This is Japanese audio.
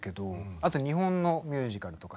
あと日本のミュージカルとか。